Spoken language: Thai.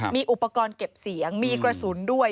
มีอุปกรณ์เก็บเสียงมีกระสุนด้วย